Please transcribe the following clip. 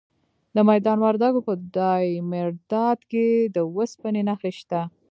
د میدان وردګو په دایمیرداد کې د وسپنې نښې شته.